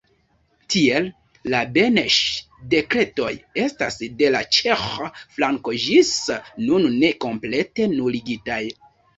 Tiel, la Beneŝ-dekretoj estas de la ĉeĥa flanko ĝis nun ne komplete nuligitaj.